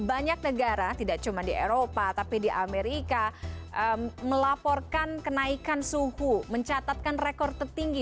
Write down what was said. banyak negara tidak cuma di eropa tapi di amerika melaporkan kenaikan suhu mencatatkan rekor tertinggi